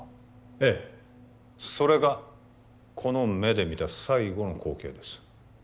ええそれがこの目で見た最後の光景です